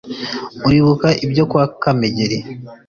Uribuka ibyo kwa Kamegeri